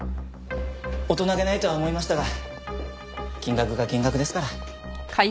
大人げないとは思いましたが金額が金額ですから。